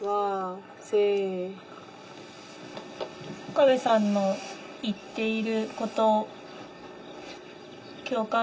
岡部さんの言っていること共感しますか？